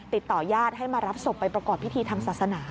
ติดต่อญาติให้มารับศพไปประกอบพิธีทางศาสนา